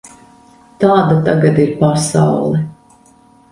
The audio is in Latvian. Tāda tagad ir pasaule.